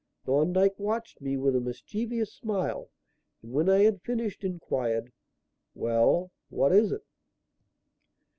Thorndyke watched me with a mischievous smile, and, when I had finished, inquired: "Well; what is it?"